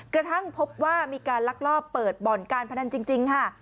กระทั่งพบว่ามีการลักลอบเปิดบ่อนการพนันจริงค่ะ